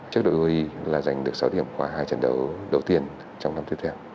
trước đội hawaii là giành được sáu điểm khỏi hai trận đấu đầu tiên trong năm tiếp theo